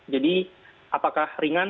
jadi apakah ringan